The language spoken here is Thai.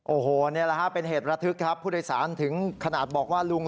โอ้โหนี่แหละฮะเป็นเหตุระทึกครับผู้โดยสารถึงขนาดบอกว่าลุง